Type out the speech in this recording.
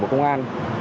của công an